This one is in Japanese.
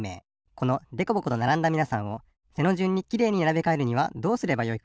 このでこぼことならんだみなさんを背のじゅんにきれいにならべかえるにはどうすればよいか。